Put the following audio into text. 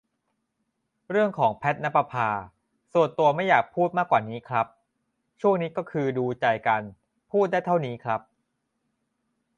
เรื่องของ แพทณปภา ส่วนตัวไม่อยากพูดมากกว่านี้ครับ ช่วงนี้ก็คือดูใจกัน พูดได้เท่านี้ครับ